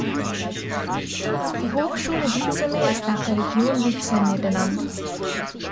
Die Hochschule Vidzeme ist nach der Region Vidzeme benannt.